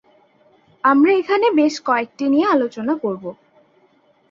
আমরা এখানে বেশ কয়েকটি নিয়ে আলোচনা করব।